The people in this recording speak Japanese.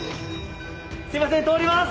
すいません通ります！